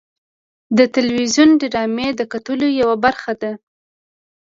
د تلویزیون ډرامې د کلتور یوه برخه ده.